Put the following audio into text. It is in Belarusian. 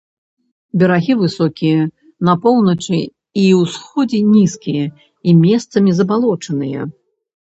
Берагі высокія, на поўначы і ўсходзе нізкія і месцамі забалочаныя.